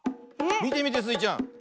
みてみてスイちゃん。